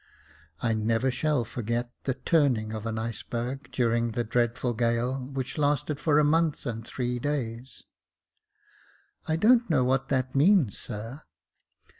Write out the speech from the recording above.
I never shall forget the turning of an iceberg, during the dreadful gale, which lasted for a month and three days." " I don't know what that means, sir."